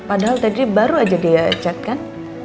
padahal tadi baru aja dia cat kan